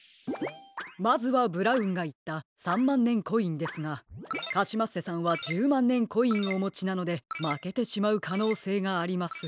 まずはブラウンがいった３まんねんコインですがカシマッセさんは１０まんねんコインおもちなのでまけてしまうかのうせいがあります。